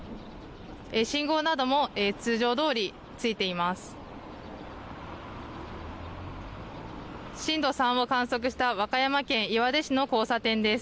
信号なども通常どおりついています。